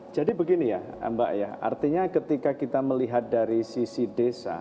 jadi begini ya mbak ayah artinya ketika kita melihat dari sisi desa